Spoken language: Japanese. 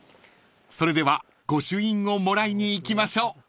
［それでは御朱印をもらいに行きましょう］